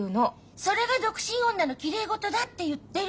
それが独身女のきれい事だって言ってるのよ。